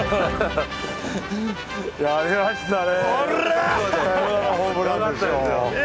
やりましたねえ。